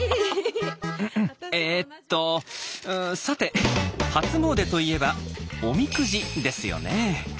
さて初詣といえば「おみくじ」ですよね。